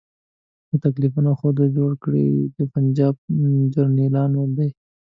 دا تکلیفونه خو جوړ کړي د پنجاب جرنیلانو دي.